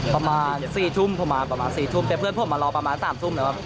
ประมาณสี่ทุ่มประมาณสี่ทุ่มแต่เพื่อนผมมารอประมาณสามทุ่มนะครับ